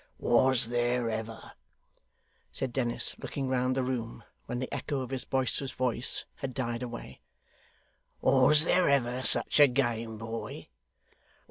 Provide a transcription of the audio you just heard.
'Was there ever,' said Dennis, looking round the room, when the echo of his boisterous voice had died away; 'was there ever such a game boy!